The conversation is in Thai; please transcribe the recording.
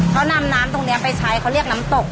เขานำน้ำตรงนี้ไปใช้เขาเรียกน้ำตก